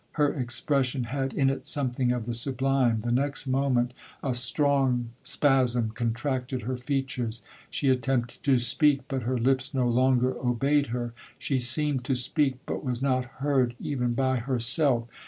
Her expression had in it something of the sublime—the next moment a strong spasm contracted her features—she attempted to speak, but her lips no longer obeyed her—she seemed to speak, but was not heard even by herself.